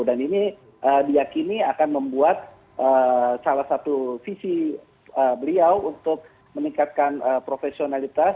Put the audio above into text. dan ini diakini akan membuat salah satu visi beliau untuk meningkatkan profesionalitas